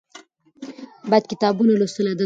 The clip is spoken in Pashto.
باید کتابونه لوستل عادت کړو.